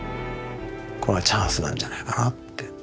これがチャンスなんじゃないかなって思いますけどね。